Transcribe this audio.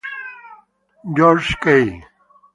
Georges Cay.